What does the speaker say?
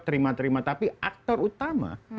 terima terima tapi aktor utama